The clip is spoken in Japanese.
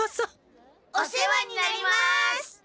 お世話になります！